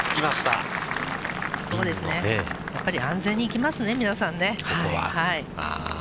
やっぱり安全にいきますね、ここは。